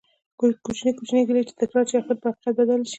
کوچنی کوچنی ګېلې چې تکرار شي ،اخير په حقيقت بدلي شي